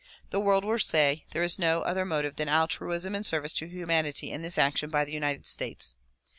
The world will say "There is no other motive than altruism and service to humanity in this action by the United States."